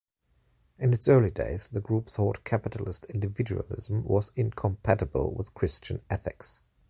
In its early days the group thought capitalist individualism was incompatible with Christian ethics.